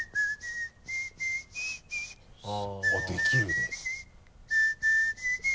あっできるんだ。